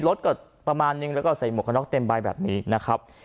รถก็ประมาณนึงแล้วก็ใส่หมวกกระน็อกเต็มใบแบบนี้นะครับ